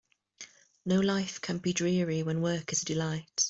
No life can be dreary when work is a delight.